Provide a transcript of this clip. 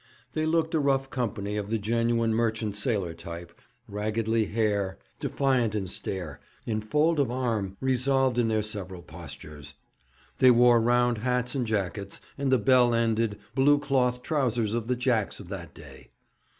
They looked a rough company of the genuine merchant sailor type raggedly hairy, defiant in stare, in fold of arm, resolved in their several postures. They wore round hats and jackets, and the bell ended, blue cloth trousers of the Jacks of that day.